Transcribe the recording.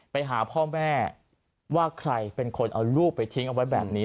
ไปหาพ่อแม่ว่าใครเป็นคนเอาลูกไปทิ้งเอาไว้แบบนี้